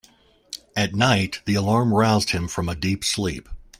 At night the alarm roused him from a deep sleep.